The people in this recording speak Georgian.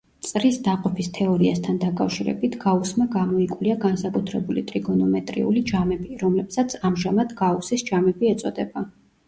წრის დაყოფის თეორიასთან დაკავშირებით გაუსმა გამოიკვლია განსაკუთრებული ტრიგონომეტრიული ჯამები, რომლებსაც ამჟამად გაუსის ჯამები ეწოდება.